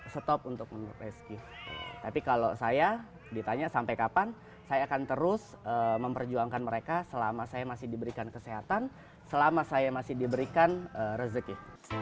stop untuk menurut rezeki tapi kalau saya ditanya sampai kapan saya akan terus memperjuangkan mereka selama saya masih diberikan kesehatan selama saya masih diberikan rezeki